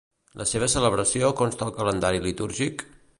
La seva celebració consta al calendari litúrgic?